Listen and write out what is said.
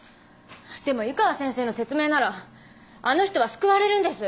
でも湯川先生の説明ならあの人は救われるんです。